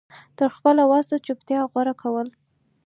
تر خپله وسه چوپتيا غوره کول